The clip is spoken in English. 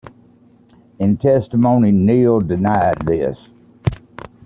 In testimony, Neal denied this.